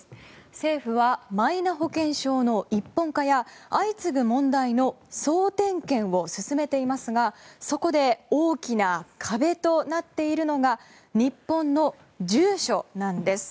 政府はマイナ保険証の一本化や相次ぐ問題の総点検を進めていますがそこで大きな壁となっているのが日本の住所なんです。